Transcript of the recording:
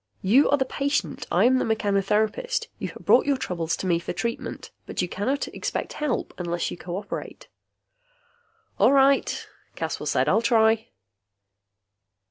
You are the patient. I am the mechanotherapist. You have brought your troubles to me for treatment. But you cannot expect help unless you cooperate." "All right," Caswell said. "I'll try."